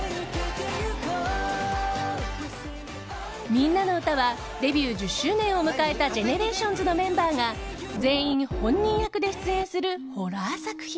「ミンナのウタ」はデビュー１０周年を迎えたＧＥＮＥＲＡＴＩＯＮＳのメンバーが全員本人役で出演するホラー作品。